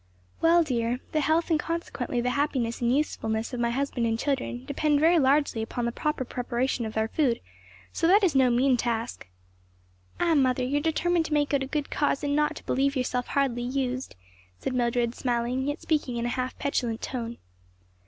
"Well, dear, the health, and consequently the happiness and usefulness of my husband and children, depend very largely upon the proper preparation of their food; so that is no mean task." "Ah, mother, you are determined to make out a good case and not to believe yourself hardly used," said Mildred, smiling, yet speaking in a half petulant tone.